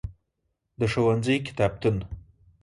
د ښوونځی کتابتون.